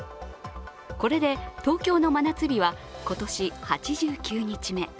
これで東京の真夏日は今年８９日目。